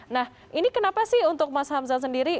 nah ini kenapa sih untuk mas hamzah sendiri